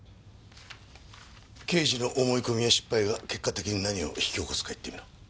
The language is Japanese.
刑事の思い込みや失敗が結果的に何を引き起こすか言ってみろ。